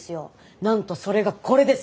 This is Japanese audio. なんとそれがこれですよ。